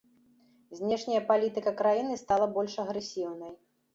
Знешняя палітыка краіны стала больш агрэсіўнай.